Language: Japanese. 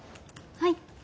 はい。